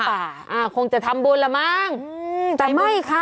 ค่ะค่ะคงจะทำบุญละมั้งแต่ไม่ค่ะ